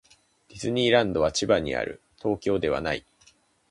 ディズニーランドは千葉にある。東京ではない。